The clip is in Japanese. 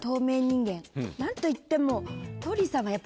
何といっても。